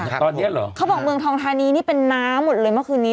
ตอนนี้เหรอเขาบอกเมืองทองทานีนี่เป็นน้ำหมดเลยเมื่อคืนนี้